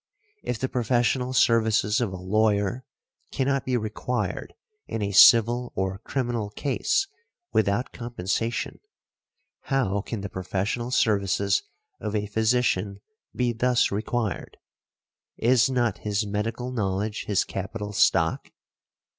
"If the professional services of a lawyer cannot be required in a civil or criminal case without compensation, how can the professional services of a physician be thus required? Is not his medical knowledge his capital stock?